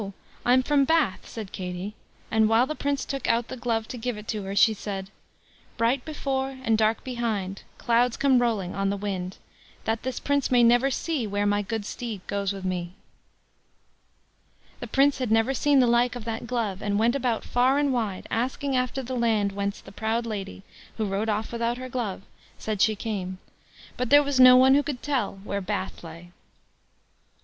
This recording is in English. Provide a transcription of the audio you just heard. I'm from Bath", said Katie; and while the Prince took out the glove to give it to her, she said: Bright before and dark behind, Clouds come rolling on the wind; That this Prince may never see Where my good steed goes with me. The Prince had never seen the like of that glove, and went about far and wide asking after the land whence the proud lady, who rode off without her glove, said she came; but there was no one who could tell where "Bath" lay.